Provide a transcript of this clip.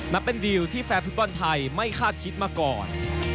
นับเป็นดีลที่แฟนฟุตบอลไทยไม่คาดคิดมาก่อน